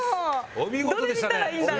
お見事でした。